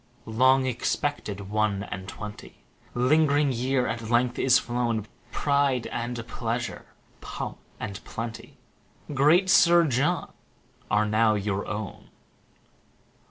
One and Twenty LONG EXPECTED one and twenty, Ling'ring year, at length is flown: Pride and pleasure, pomp and plenty, Great ......., are now your own.